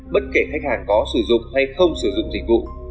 bất kể khách hàng có sử dụng hay không sử dụng dịch vụ